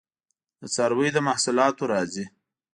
د څارویو له محصولاتو راځي